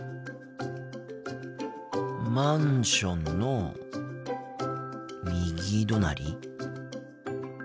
マンションの右隣？